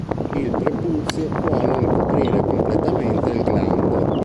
Il prepuzio può non coprire completamente il glande.